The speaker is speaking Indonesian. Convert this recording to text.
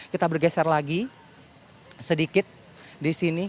kita bergeser lagi sedikit di sini